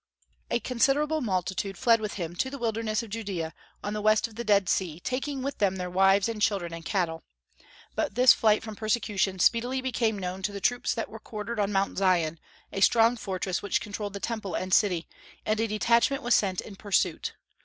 A considerable multitude fled with him to the wilderness of Judaea, on the west of the Dead Sea, taking with them their wives and children and cattle. But this flight from persecution speedily became known to the troops that were quartered on Mount Zion, a strong fortress which controlled the Temple and city, and a detachment was sent in pursuit.